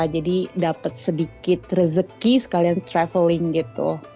jadi dapat sedikit rezeki sekalian traveling gitu